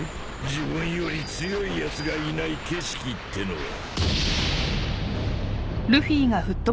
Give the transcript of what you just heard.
自分より強いやつがいない景色ってのは。